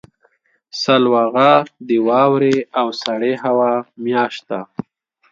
سلواغه د واورې او سړې هوا میاشت ده.